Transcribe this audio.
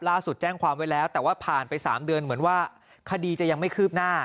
แจ้งความไว้แล้วแต่ว่าผ่านไป๓เดือนเหมือนว่าคดีจะยังไม่คืบหน้า